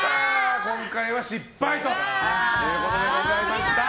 今回は失敗ということでございました。